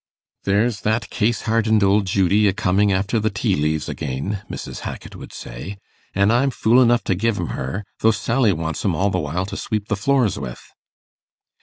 'There's that case hardened old Judy a coming after the tea leaves again,' Mrs. Hackit would say; 'an' I'm fool enough to give 'em her, though Sally wants 'em all the while to sweep the floors with!